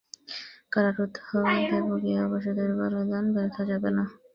কারারুদ্ধ দেবকীর ও বসুদেবের বলিদান ব্যর্থ যাবে না।